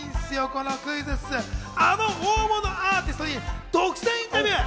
このクイズッス、あの大物アーティストに独占インタビュー。